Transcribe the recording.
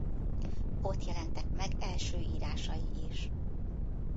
Ott jelentek meg első írásai is.